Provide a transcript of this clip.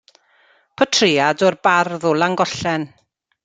Portread o'r bardd o Langollen.